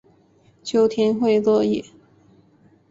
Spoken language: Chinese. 秋天会落叶。